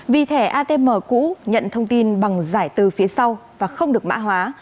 vì thẻ atm cũ nhận thông tin bằng giải từ phía sau và không được mã hóa